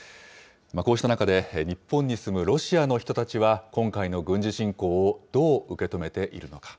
こうした中で日本に住むロシアの人たちは、今回の軍事侵攻をどう受け止めているのか。